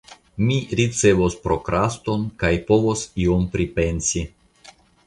Mi ricevos prokraston, kaj povos iom pripensi.